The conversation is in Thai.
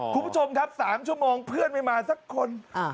คุณผู้ชมครับ๓ชั่วโมงเพื่อนไม่มาสักคน